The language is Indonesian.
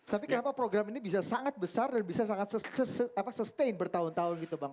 tapi kenapa program ini bisa sangat besar dan bisa sangat sustain bertahun tahun gitu bang